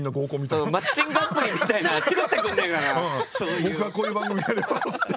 僕はこういう番組やれますっていう。